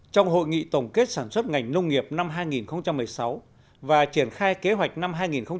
trong hội nghị tổng kết sản xuất ngành nông nghiệp năm hai nghìn một mươi sáu và triển khai kế hoạch năm hai nghìn một mươi chín